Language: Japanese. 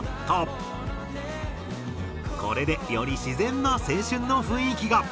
これでより自然な青春の雰囲気が。